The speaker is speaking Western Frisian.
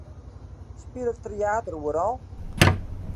Spilet Tryater oeral?